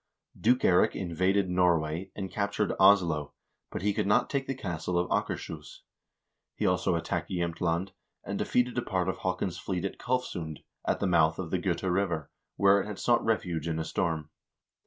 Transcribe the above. Duke Eirik invaded Norway, and captured Oslo, but he could not take the castle of Akers hus. He also attacked Jsemtland, and defeated a part of Haakon's fleet at Kalfsund, at the mouth of the Gota River, where it had sought refuge in a storm.